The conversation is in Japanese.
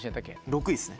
６位っすね。